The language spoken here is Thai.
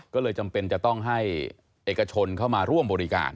ก็เลยจำเป็นจะต้องให้เอกชนเข้ามาร่วมบริการ